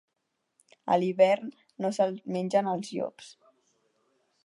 A l'hivern no se'l mengen els llops.